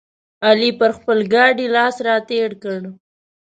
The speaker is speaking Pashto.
علي پر خپل ګاډي لاس راتېر کړ.